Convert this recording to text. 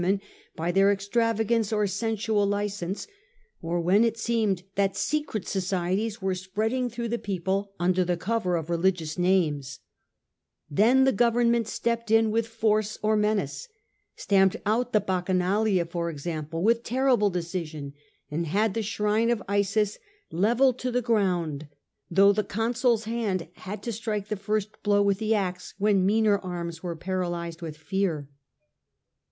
men by their extravagance or sensual licence, or when it seemed that secret societies were spreading through which were people under the cover of religious names, only feebly Then the government stepped in with force ^ or menace, stamped out the Bacchanalia, for power, example, with terrible decision, and had the shrine of Isis levelled to the ground, though the consul's hand had to strike the first blow with the axe when meaner arms were paralysed with fear.